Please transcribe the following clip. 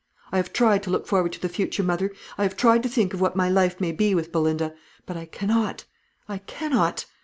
I have tried to look forward to the future, mother; I have tried to think of what my life may be with Belinda; but I cannot, I cannot.